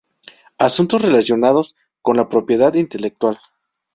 asuntos relacionados con la propiedad intelectual